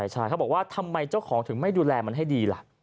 ใช่เขาบอกว่าทำไมเจ้าของถึงไม่ดูแลมันให้ดีล่ะ